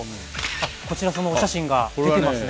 あっこちらそのお写真が出てますね。